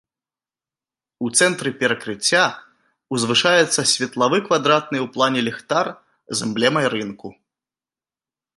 У цэнтры перакрыцця ўзвышаецца светлавы квадратны ў плане ліхтар з эмблемай рынку.